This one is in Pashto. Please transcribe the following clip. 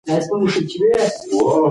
خداى دي ساته له بېـلتونه